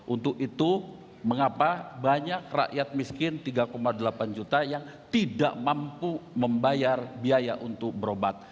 untuk itu mengapa banyak rakyat miskin tiga delapan juta yang tidak mampu membayar biaya untuk berobat